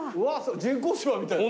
人工芝みたいだ。